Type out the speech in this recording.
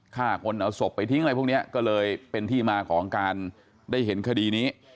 ฆ่าคนเอาศพไปทิ้งอะไรพวกนี้ก็เลยเป็นที่มาของการได้เห็นคดีนี้